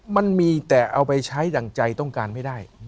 มันมีแต่เอาไปใช้ดั่งใจต้องการไม่ได้